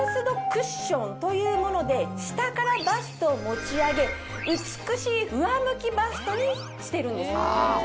というもので下からバストを持ち上げ美しい上向きバストにしてるんですね。